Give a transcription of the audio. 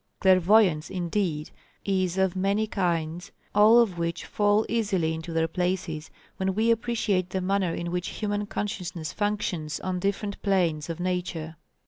Clairvoyance, indeed, is of many kinds, all of which fall easily into their places when we appreciate the manner in which human consciousness functions on different planes of Nature.